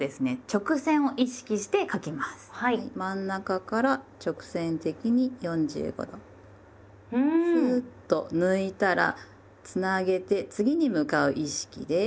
真ん中から直線的に４５度スーッと抜いたらつなげて次に向かう意識で右払いへ。